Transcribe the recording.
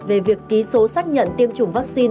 về việc ký số xác nhận tiêm chủng vaccine